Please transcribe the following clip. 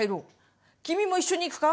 君も一緒にいくか？